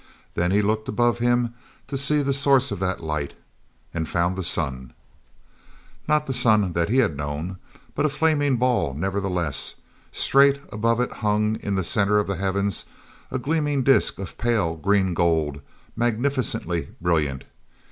Then he looked above him to see the source of that light and found the sun. Not the sun that he had known, but a flaming ball nevertheless. Straight above it hung, in the center of the heavens, a gleaming disk of pale green gold, magnificently brilliant.